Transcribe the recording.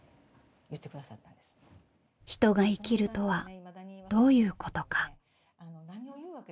人が生きるとはどういうことか。